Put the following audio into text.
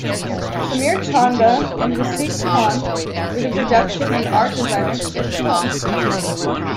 Sameer Chanda, and Wasiq Khan were the production and art designers for the film.